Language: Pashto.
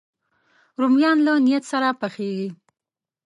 رومیان له نیت سره پخېږي